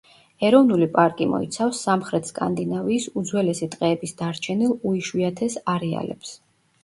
ეროვნული პარკი მოიცავს სამხრეთ სკანდინავიის უძველესი ტყეების დარჩენილ უიშვიათეს არეალებს.